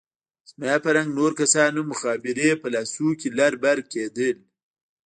زما په رنګ نور کسان هم مخابرې په لاسو کښې لر بر کېدل.